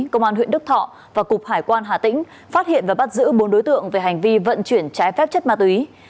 công an huyện đức thọ và cục hải quan hà tĩnh phát hiện và bắt giữ bốn đối tượng về hành vi vận chuyển trái phép chất ma túy